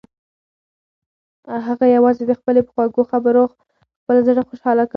هغه یوازې د هغې په خوږو خبرو خپل زړه خوشحاله کاوه.